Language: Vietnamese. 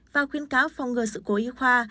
và khuyến cáo phong ngừa sự cố y khoa